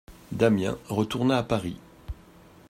Damiens retourna à Paris.